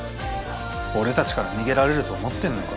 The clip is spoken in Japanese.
俺たちから逃げられると思ってんのか？